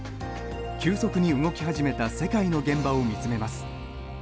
急速に動き始めた世界の現場を見つめます。